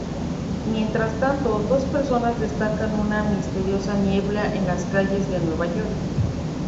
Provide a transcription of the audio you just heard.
Mientras tanto, dos personas desatan una misteriosa niebla en las calles de Nueva York.